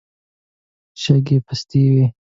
شګې پستې وې.